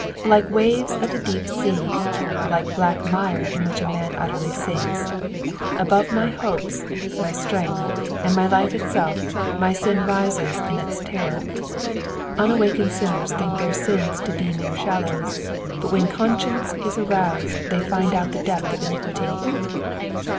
Like waves of the deep aea : like black mire In which a man utterly ainka. Above my hopes, my strength, and my life itself, my sin rises in its terror. Unawakened sinneia think their sins to be mere shallows, but when conscience is aroused they find owt the depth of iniquity.